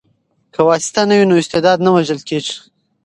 که واسطه نه وي نو استعداد نه وژل کیږي.